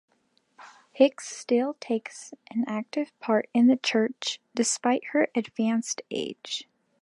Hicks still takes an active part in the church despite her advanced age.